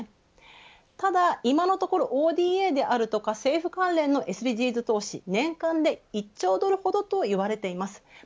今のところＯＤＡであるとか政府関連のＳＤＧｓ投資、年間で１兆ドルと言われています。